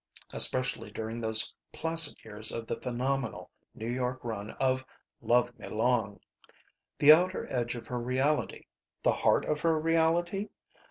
Especially during those placid years of the phenomenal New York run of "Love Me Long." The outer edge of her reality. The heart of her reality?